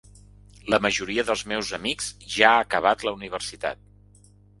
La majoria dels meus amics ja ha acabat la universitat.